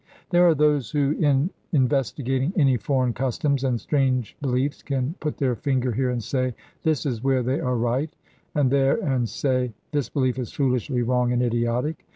There are those who, in investigating any foreign customs and strange beliefs, can put their finger here and say, 'This is where they are right'; and there and say, 'This belief is foolishly wrong and idiotic.'